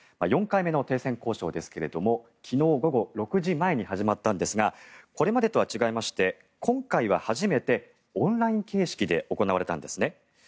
４回目の停戦交渉ですけれども昨日午後６時前に始まったんですがこれまでとは違いまして今回は初めて、オンライン形式で行われたんですね。